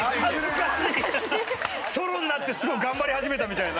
ソロになってすごい頑張り始めたみたいな。